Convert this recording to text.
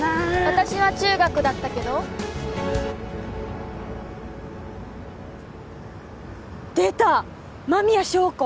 私は中学だったけど出た麻宮祥子